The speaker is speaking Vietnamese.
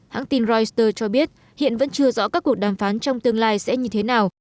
hãng tin reuters cho biết hiện vẫn chưa rõ các cuộc đàm phán trong tương lai sẽ như thế nào